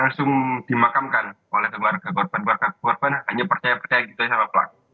jadi ini diakamkan oleh keluarga korban keluarga korban hanya percaya percaya gitu ya sama pelaku